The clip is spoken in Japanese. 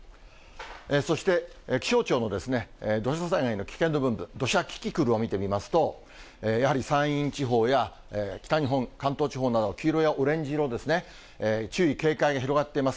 そして気象庁の土砂災害の危険度分布、土砂キキクルを見てみますと、やはり山陰地方や北日本、関東地方など、黄色やオレンジ色ですね、注意警戒が広がっています。